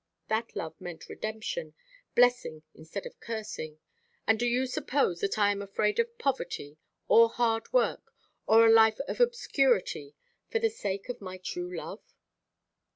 That love meant redemption, blessing instead of cursing. And do you suppose that I am afraid of poverty, or hard work, or a life of obscurity, for the sake of my true love?"